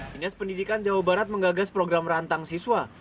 dinas pendidikan jawa barat menggagas program rantang siswa